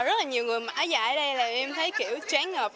rất là nhiều người mà áo dài ở đây là em thấy kiểu trán ngợp